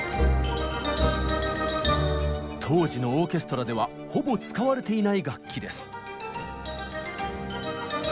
当時のオーケストラではほぼ使われていない楽器です。